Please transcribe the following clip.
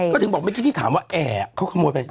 ก็ถึงบอกเมื่อกี้ที่ถามว่าแอร์เขาขโมยไป